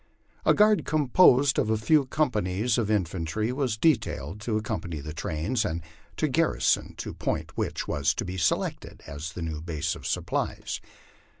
A guard composed of a few companies of infantry was detailed to accompany the trains and to garrison the point which was to be selected as the new base of supplies.